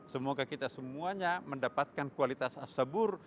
semoga kita semuanya mendapatkan kualitas as sabur